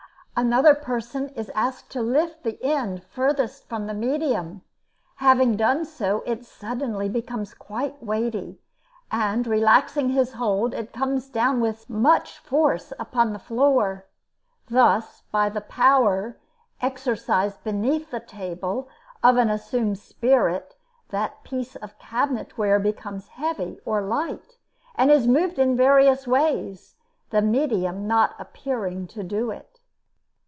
Another person is asked to lift the end furthest from the medium; having done so, it suddenly becomes quite weighty, and, relaxing his hold, it comes down with much force upon the floor. Thus, by the power exercised beneath the table of an assumed spirit, that piece of cabinet ware becomes heavy or light, and is moved in various ways, the medium not appearing to do it.